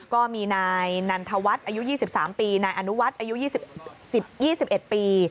ก็มีนายนันทวัฒน์อายุ๒๓ปีนายอนุวัฒน์อายุ๒๑ปี